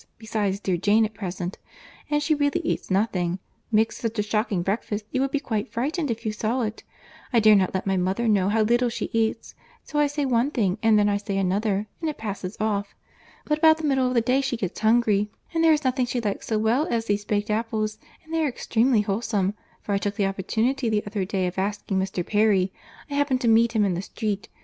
—besides dear Jane at present—and she really eats nothing—makes such a shocking breakfast, you would be quite frightened if you saw it. I dare not let my mother know how little she eats—so I say one thing and then I say another, and it passes off. But about the middle of the day she gets hungry, and there is nothing she likes so well as these baked apples, and they are extremely wholesome, for I took the opportunity the other day of asking Mr. Perry; I happened to meet him in the street.